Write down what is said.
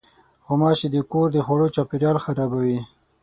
غوماشې د کور د خوړو چاپېریال خرابوي.